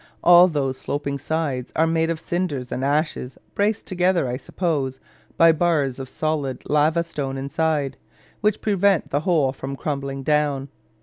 All those sloping sides are made of cinders and ashes, braced together, I suppose, by bars of solid lava stone inside, which prevent the whole from crumbling down.